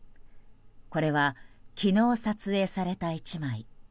これは、昨日撮影された１枚。